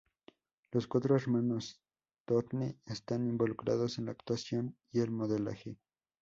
Los cuatro Hermanos Thorne están involucrados en la actuación y el modelaje.